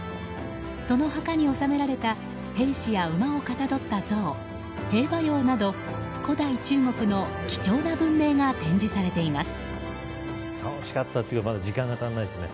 その墓に納められた兵士や馬をかたどった像兵馬俑など古代中国の貴重な文明が展示されています。